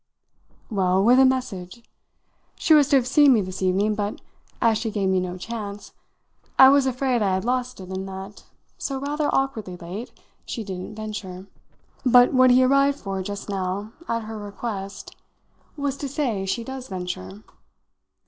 "Well, with a message. She was to have seen me this evening, but, as she gave me no chance, I was afraid I had lost it and that, so rather awkwardly late, she didn't venture. But what he arrived for just now, at her request, was to say she does venture."